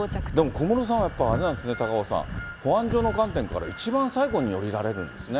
小室さんはやっぱりあれなんですね、高岡さん、保安上の観点から一番最後に降りられるんですね。